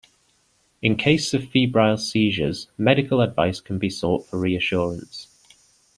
In case of febrile seizures, medical advice can be sought for reassurance.